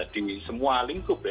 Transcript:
di semua lingkup